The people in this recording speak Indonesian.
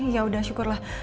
ya udah syukurlah